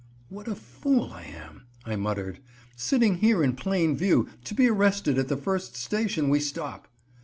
"What a fool I am," I muttered. "Sitting here in plain view, to be arrested at the first station we stop."